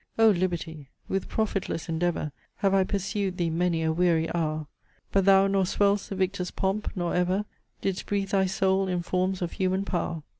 O Liberty! with profitless endeavour Have I pursued thee many a weary hour; But thou nor swell'st the victor's pomp, nor ever Didst breathe thy soul in forms of human power!